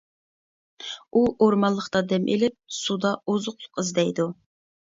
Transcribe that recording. ئۇ ئورمانلىقتا دەم ئېلىپ، سۇدا ئوزۇقلۇق ئىزدەيدۇ.